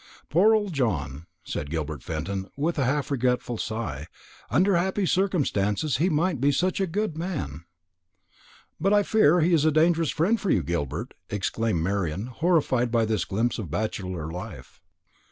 Poor old John," said Gilbert Fenton, with a half regretful sigh; "under happy circumstances, he might be such a good man." "But I fear he is a dangerous friend for you, Gilbert," exclaimed Marian, horrified by this glimpse of bachelor life.